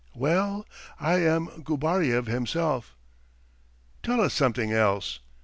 Well, I am Gubaryev himself! ..." "Tell us something else!"